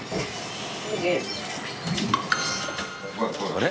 あれ？